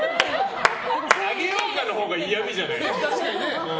あげようかのほうが嫌味じゃない？